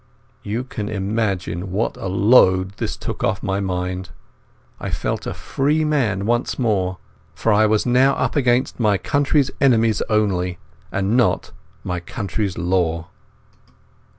You can imagine what a load this took off my mind. I felt a free man once more, for I was now up against my country's enemies only, and not my country's law.